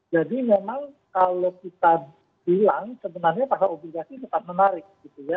jadi memang kalau kita bilang sebenarnya pasar obligasi tetap menarik gitu ya